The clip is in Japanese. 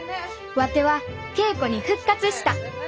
ワテは稽古に復活した。